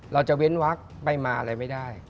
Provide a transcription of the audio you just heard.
เว้นวักไปมาอะไรไม่ได้